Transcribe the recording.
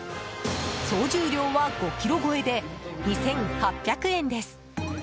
総重量は５ｋｇ超えで２８００円です。